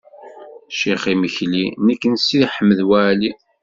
Ččiɣ imekli nekk d Si Ḥmed Waɛli.